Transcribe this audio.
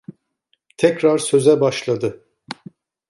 Tekrar söze başladı.